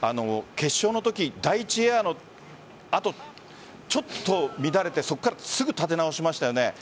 決勝のとき、第１エアの後ちょっと乱れてそこからすぐ立て直しましたよね。